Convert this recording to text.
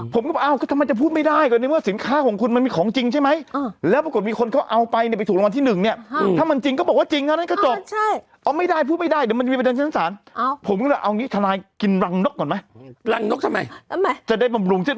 ผมก็บอกอ้าวในที่ทำไมจะพูดไม่ได้